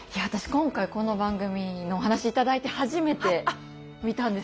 今回この番組のお話頂いて初めて見たんですよ。